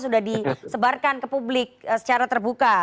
sudah disebarkan ke publik secara terbuka